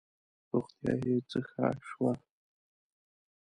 روغتیا یې څه ښه شوه.